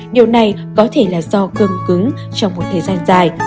điều này có thể là do cơn cứng trong một thời gian dài